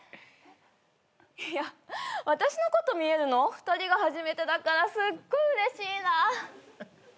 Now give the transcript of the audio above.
いや私のこと見えるの２人が初めてだからすっごいうれしいな。